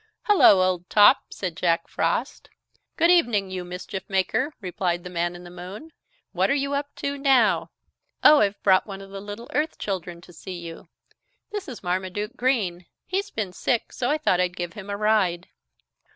"Hello, old Top!" said Jack Frost. "Good evening, you mischief maker," replied the Man in the Moon. "What are you up to now?" "Oh, I've brought one of the little earth children to see you. This is Marmaduke Green. He's been sick, so I thought I'd give him a ride."